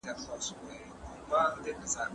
ځينې ليکوالان په خپلو ليکنو کې د دې کلمو توپير نه کوي.